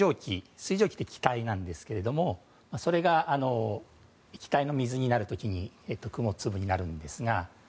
水蒸気は気体なんですがそれが液体の水になる時に雲粒になるんですが。